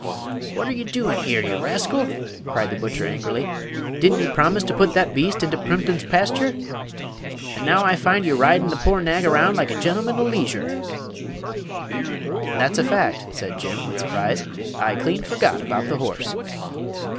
"What're ye doin' hear, ye rascal?" cried the butcher, angrily; "didn't ye promise to put that beast inter Plympton's pasture? An' now I find ye ridin' the poor nag around like a gentleman o' leisure!" "That's a fact," said Jim, with surprise; "I clean forgot about the horse!"